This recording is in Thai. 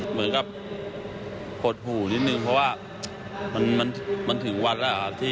เหมือนกับหดหู่นิดนึงเพราะว่ามันถึงวันแล้ว